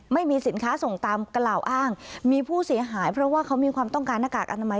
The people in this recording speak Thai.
ไม่มีสินค้าส่งตามกล่าวอ้างมีผู้เสียหายเพราะว่าเขามีความต้องการหน้ากากอนามัย